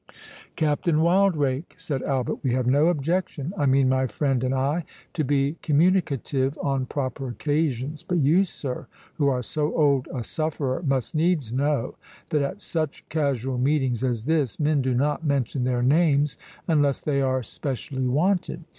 "Captain Wildrake," said Albert, "we have no objection—I mean, my friend and I—to be communicative on proper occasions; but you, sir, who are so old a sufferer, must needs know, that at such casual meetings as this, men do not mention their names unless they are specially wanted.